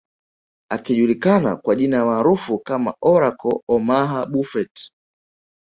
Akijulikana kwa jina maarufu kama Oracle Omaha Buffet